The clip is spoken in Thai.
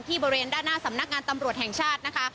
บริเวณด้านหน้าสำนักงานตำรวจแห่งชาตินะคะ